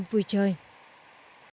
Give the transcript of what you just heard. một vụ trộm khác trên địa bàn thành phố